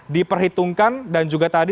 diperhitungkan dan juga tadi